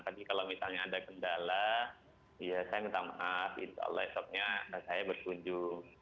tadi kalau misalnya ada kendala ya saya minta maaf insya allah esoknya saya berkunjung